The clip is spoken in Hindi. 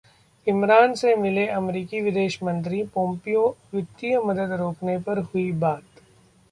इमरान से मिले अमेरिकी विदेश मंत्री पोंपियो, वित्तीय मदद रोकने पर हुई बात